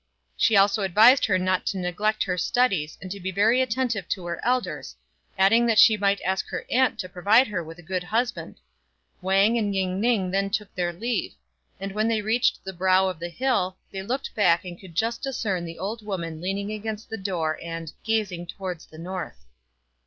She also advised her not to neglect her studies, and to be very attentive to her elders, adding that she might ask her aunt to provide her with a good husband. Wang and Ying ning then took their leave ; and when they reached the brow of the hill, they looked back and could just discern the old woman leaning against the door and gazing towards the north.